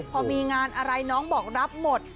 พอมีงานอะไรน้องบอกรับหมด